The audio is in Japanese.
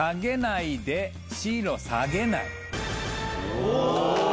お！